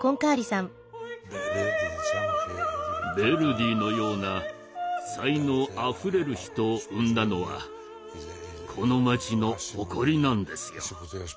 ヴェルディのような才能あふれる人を生んだのはこの町の誇りなんですよ。